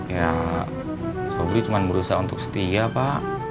ya sobri cuma berusaha untuk setia pak